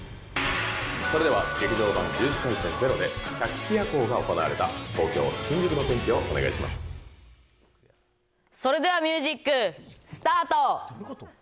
それでは劇場版呪術廻戦０で、百鬼夜行が行われた東京・新宿の天それではミュージックスタート。